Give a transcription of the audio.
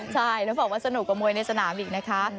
ใช่แล้วบอกว่าสนุกกว่ามวยในสนามอีกนะคะ